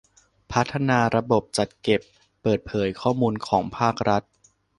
พัฒนาระบบจัดเก็บเปิดเผยข้อมูลของภาครัฐ